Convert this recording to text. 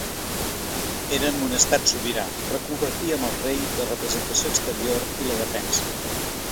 Érem un estat sobirà, però compartíem el rei, la representació exterior i la defensa.